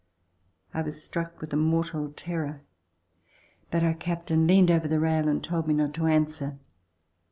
I was struck with a mortal terror. But our captain leaned over the rail and told me not to answer.